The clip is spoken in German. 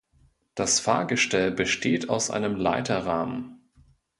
Das Fahrgestell besteht aus einem Leiterrahmen.